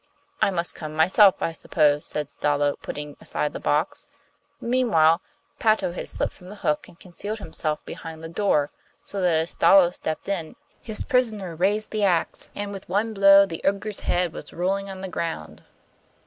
'I must come myself, I suppose!' said Stalo, putting aside the box. But, meanwhile, Patto had slipped from the hook and concealed himself behind the door, so that, as Stalo stepped in, his prisoner raised the axe, and with one blow the ogre's head was rolling on the ground.